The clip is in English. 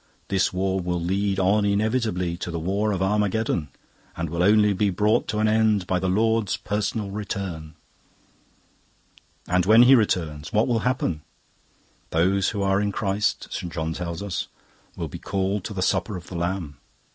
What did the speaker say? This war will lead on inevitably to the war of Armageddon, and will only be brought to an end by the Lord's personal return. "And when He returns, what will happen? Those who are in Christ, St. John tells us, will be called to the Supper of the Lamb.